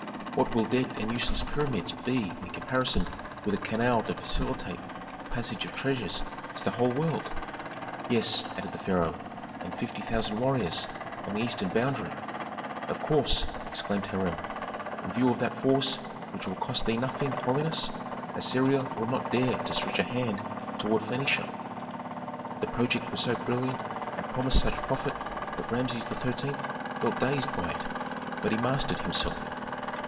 "What will dead and useless pyramids be in comparison with a canal to facilitate the passage of treasures to the whole world?" "Yes," added the pharaoh, "and fifty thousand warriors on the eastern boundary." "Of course!" exclaimed Hiram. "In view of that force, which will cost thee nothing, holiness, Assyria will not dare to stretch a hand toward Phœnicia." The project was so brilliant and promised such profit that Rameses XIII. felt dazed by it. But he mastered himself.